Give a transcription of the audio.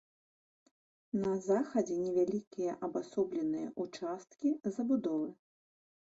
На захадзе невялікія адасобленыя ўчасткі забудовы.